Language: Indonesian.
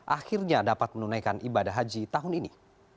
akhirnya dapat menunaikan ibadah haji tahun ini